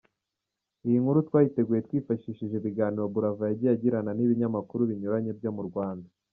Iyi nkuru twayiteguye twifashishije ibiganiro Buravan yagiye agirana n’ ibinyamakuru binyuranye byo mu Rwanda.